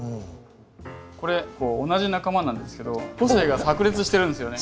これ同じ仲間なんですけど個性がさく裂してるんですよね。